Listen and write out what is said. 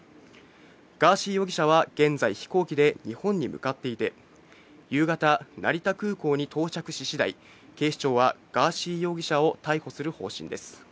ガーシー容疑者は現在、飛行機で日本に向かっていて、夕方、成田空港に到着し次第、警視庁はガーシー容疑者を逮捕する方針です。